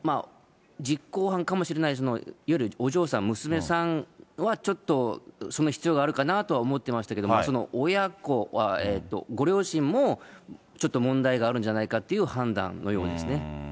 実行犯かもしれない、いわゆるお嬢さん、娘さんはちょっとその必要があるかなと思ってましたけど、その親子、ご両親もちょっと問題があるんじゃないかという判断のようですね。